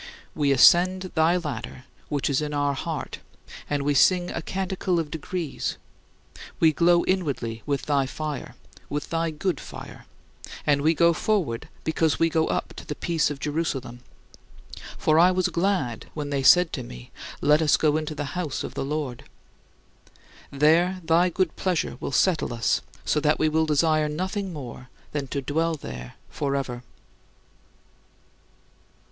We ascend thy ladder which is in our heart, and we sing a canticle of degrees; we glow inwardly with thy fire with thy good fire and we go forward because we go up to the peace of Jerusalem; for I was glad when they said to me, "Let us go into the house of the Lord." There thy good pleasure will settle us so that we will desire nothing more than to dwell there forever.